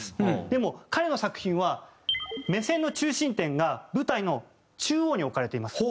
でも彼の作品は目線の中心点が舞台の中央に置かれています。